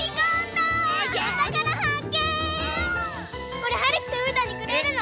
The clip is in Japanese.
これはるきとうーたんにくれるの？